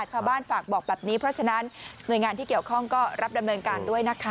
ฝากบอกแบบนี้เพราะฉะนั้นหน่วยงานที่เกี่ยวข้องก็รับดำเนินการด้วยนะคะ